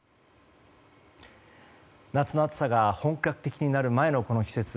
夏の暑さが本格的になる前のこの季節。